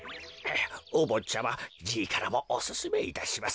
おぼっちゃまじいからもおすすめいたします。